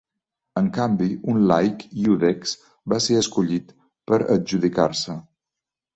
En canvi, un laic, "iudex", va ser escollit per adjudicar-se.